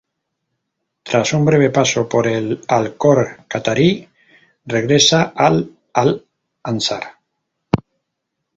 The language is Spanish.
Tras un breve paso por el Al-Khor Qatarí regresa al Al-Ansar.